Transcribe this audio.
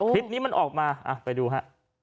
คลิปนี้มันออกมาไปดูฮะ